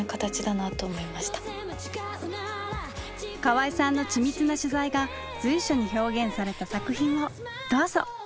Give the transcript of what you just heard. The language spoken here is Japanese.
河合さんの緻密な取材が随所に表現された作品をどうぞ！